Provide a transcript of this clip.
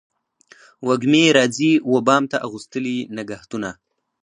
وږمې راځي و بام ته اغوستلي نګهتونه